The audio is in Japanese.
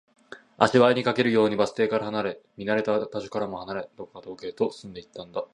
足早に、駆けるようにバス停から離れ、見慣れた場所からも離れ、どこか遠くへと進んでいったんだ